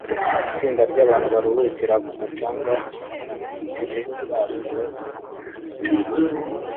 Itsinda ryabantu baruhukira ku mucanga hamwe nintebe zabo zo ku mucanga